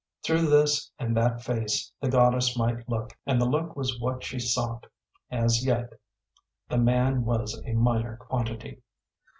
Through this and that face the goddess might look, and the look was what she sought; as yet, the man was a minor quantity.